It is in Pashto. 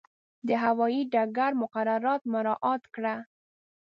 د هوایي ډګر مقررات مراعات کړه.